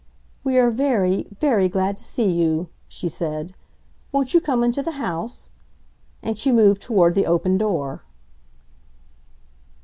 "We are very—very glad to see you," she said. "Won't you come into the house?" And she moved toward the open door.